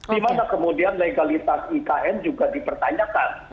dimana kemudian legalitas ikn juga dipertanyakan